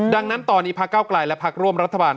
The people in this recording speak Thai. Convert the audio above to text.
ดังนั้นตอนนี้ภาคเก้ากลายและภาคร่วมรัฐบาล